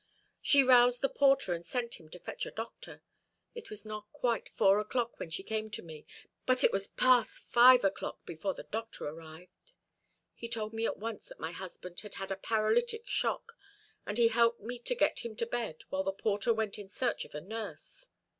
She roused the porter, and sent him to fetch a doctor. It was not quite four o'clock when she came to me, but it was past five o'clock before the doctor arrived. He told me at once that my husband had had a paralytic shock, and he helped me to get him to bed, while the porter went in search of a nurse.